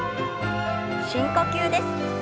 深呼吸です。